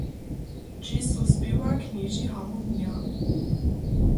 Hdźež so spěwa knježi harmonija.